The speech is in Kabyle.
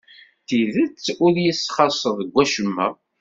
D tidet ur iyi-tesxaṣṣeḍ deg wacemma.